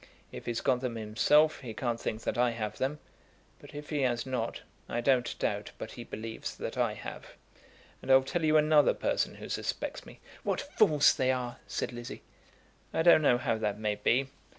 If he's got them himself, he can't think that I have them; but if he has not, I don't doubt but he believes that I have. And I'll tell you another person who suspects me." "What fools they are," said Lizzie. "I don't know how that may be.